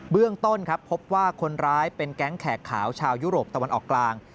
เรื่องต้นครับพบว่าคนร้ายเป็นแก๊งแขกขาวชาวยุโรปตะวันออกกลาง